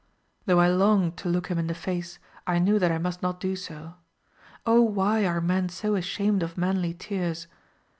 Though I longed to look him in the face, I knew that I must not do so. Oh why are men so ashamed of manly tears?